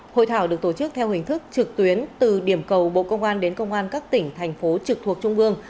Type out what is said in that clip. hội thảo được tổ chức theo hình thức trực tuyến từ điểm cầu bộ công an đến công an các tỉnh thành phố trực thuộc trung ương